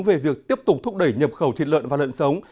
về việc tiếp tục thúc đẩy nhập khẩu thịt lợn và lợn sống